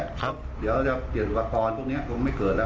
เดี๋ยวเราจะเปลี่ยนหวัดพรตรงนี้คงไม่เกิดละ